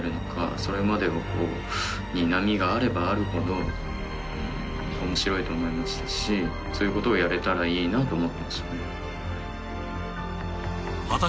それまでに波があればあるほど面白いと思いましたしそういうことをやれたらいいなと思ってましたね